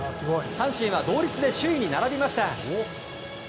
阪神は同率で首位に並びました。